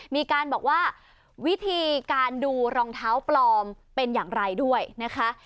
มีการบอกว่าวิธีการดูรองเท้าปลอมเป็นอย่างไรด้วยนะคะ